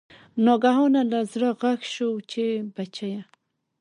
ناګهانه له زړه غږ شو چې بچیه!